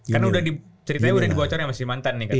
karena ceritanya udah dibocor sama si mantan nih